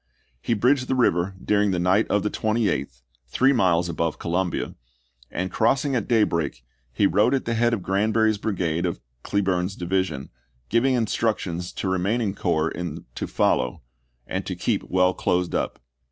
He bridged Nov., 1864. the river during the night of the 28th, three miles above Columbia, and crossing at daybreak he rode at the head of Granbury's brigade of Cleburne's division, giving instructions to remaining corps to follow, and to keep well closed up.